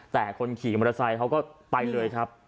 แต่คนขี่มอเตอร์ไซค์เขาก็ไปเลยครับ